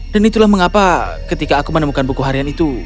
dan itulah mengapa ketika aku menemukan buku harian itu